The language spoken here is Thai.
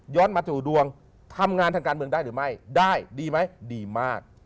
มาสู่ดวงทำงานทางการเมืองได้หรือไม่ได้ดีไหมดีมาก